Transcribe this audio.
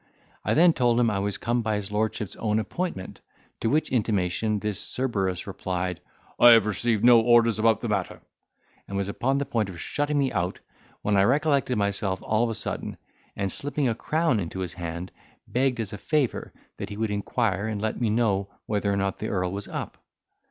I then told him I was come by his lordship's own appointment, to which intimation this Cerberus replied, "I have received no orders about the matter," and was upon the point of shutting me out, when I recollected myself all of a sudden, and slipping a crown into his hand, begged as a favour that he would inquire, and let me know whether or not the earl was up.